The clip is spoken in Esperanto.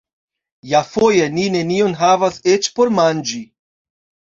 Iafoje ni nenion havas eĉ por manĝi.